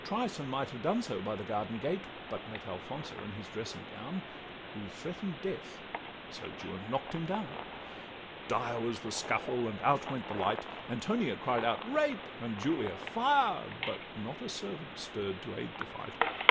trice, And might have done so by the garden gate, But met Alfonso in his dressing gown, Who threaten'd death—so Juan knock'd him down. Dire was the scuffle, and out went the light; Antonia cried out 'Rape!' and Julia 'Fire!' But not a servant stirr'd to aid the fight.